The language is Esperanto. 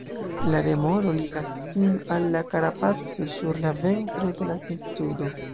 La remoro ligas sin al la karapaco sur la ventro de la testudo.